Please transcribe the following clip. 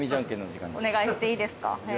お願いしていいですか？